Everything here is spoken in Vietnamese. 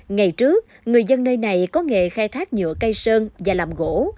ngày trước người dân nơi này có nghề khai thác nhựa cây sơn và làm gỗ